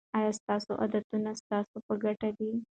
آیا ستاسو عادتونه ستاسو په ګټه دي.